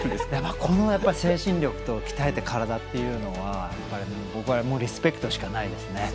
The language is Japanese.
この精神力と鍛えた体というのは僕はリスペクトしかないですね。